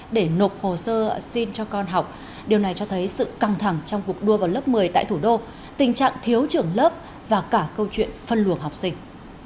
điều này cho thấy sự căng thẳng trong cuộc đua vào lớp một mươi tại thủ đô tình trạng thiếu trưởng lớp và cả câu chuyện phân luộc học sinh